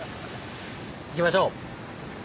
行きましょう！